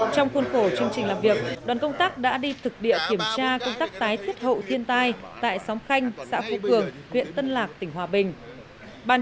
trong khuôn khổ chương trình làm việc đoàn công tác đã đi thực địa kiểm tra công tác tái thiết hậu thiên tai tại xóm khanh xã phú cường huyện tân lạc tỉnh hòa bình